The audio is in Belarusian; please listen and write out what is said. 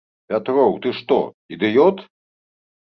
Пятроў, ты што, ідыёт?